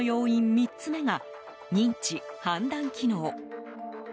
３つ目が認知・判断機能。